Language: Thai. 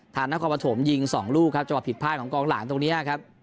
นครปฐมยิง๒ลูกครับจังหวะผิดพลาดของกองหลังตรงนี้ครับ